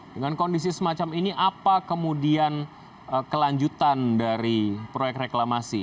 dengan kondisi semacam ini apa kemudian kelanjutan dari proyek reklamasi